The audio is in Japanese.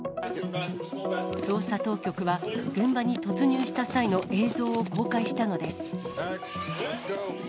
捜査当局は、現場に突入した際の映像を公開したのです。